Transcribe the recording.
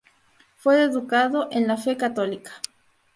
Fue educado en la fe católica.